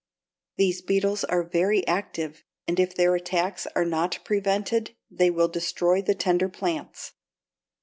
These beetles are very active, and if their attacks are not prevented they will destroy the tender plants.